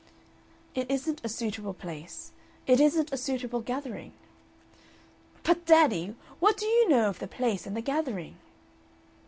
"It isn't a suitable place; it isn't a suitable gathering." "But, daddy, what do you know of the place and the gathering?"